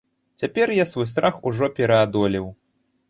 Цяпер я свой страх ужо пераадолеў.